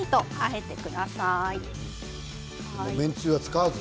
麺つゆは使わず。